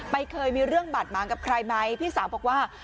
เคยมีเรื่องบาดหมางกับใครไหมพี่สาวบอกว่า